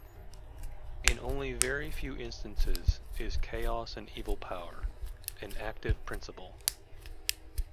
In only very few instances is chaos an evil power, an active principle.